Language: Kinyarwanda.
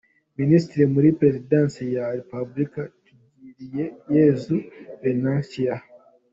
Minisitiri muri Perezidansi ya Repubulika : Tugireyezu Venantia